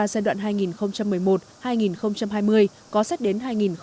giai đoạn hai nghìn một mươi một hai nghìn hai mươi có xét đến hai nghìn ba mươi